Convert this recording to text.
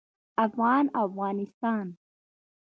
افغان او افغانستان